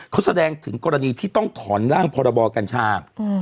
เขาแสดงถึงกรณีที่ต้องถอนร่างพรบกัญชา